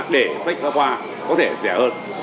để sách giao khoa có thể rẻ hơn